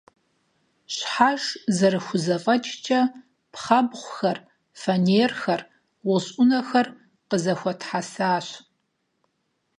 Щхьэж зэрыхузэфӏэкӏкӏэ пхъэбгъухэр, фанерхэр, гъущӏ ӏунэхэр къызэхуэтхьэсащ.